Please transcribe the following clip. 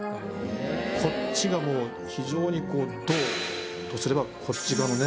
こっちがもう非常に動とすればこっち側のね